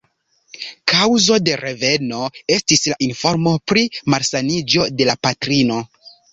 Kaŭzo de reveno estis la informo pri malsaniĝo de la patrino.